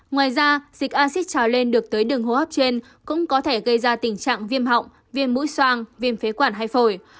ngoài ra dịch acid trào lên được tới đường hô hấp trên cũng có thể gây ra tình trạng viêm họng viêm mũi soang viêm phế quản hay phổi